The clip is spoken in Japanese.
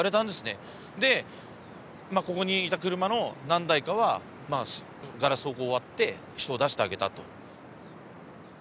でここにいた車の何台かはガラスを割って人を出してあげたと。